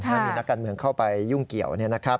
ถ้ามีนักการเมืองเข้าไปยุ่งเกี่ยว